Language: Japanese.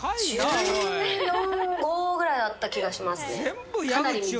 １４１５ぐらいだった気がしますね。